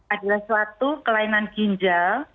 adalah suatu kelainan ginjal